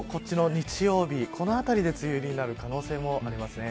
日曜日あたりで梅雨入りになる可能性もありますね。